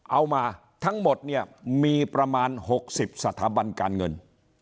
เอามาทั้งหมดเนี่ยมีประมาณ๖๐สถาบันการเงิน